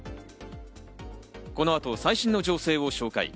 この後、最新の情勢を紹介。